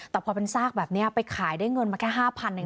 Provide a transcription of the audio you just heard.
แต่พอเป็นซากแบบนี้ไปขายได้เงินมาแค่๕พันธุ์เลยนะ